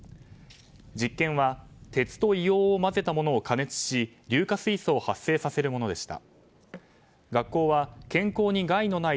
実験は鉄と硫黄を混ぜたものを加熱し硫化水素を発生させるものでした。